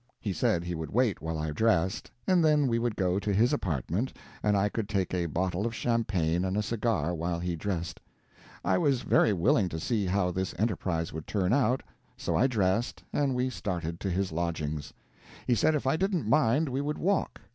He said he would wait while I dressed, and then we would go to his apartments and I could take a bottle of champagne and a cigar while he dressed. I was very willing to see how this enterprise would turn out, so I dressed, and we started to his lodgings. He said if I didn't mind we would walk.